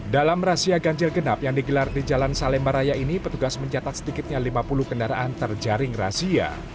dalam rahasia ganjil genap yang digelar di jalan salemba raya ini petugas mencatat sedikitnya lima puluh kendaraan terjaring razia